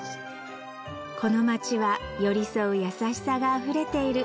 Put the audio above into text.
この街は寄り添う優しさがあふれている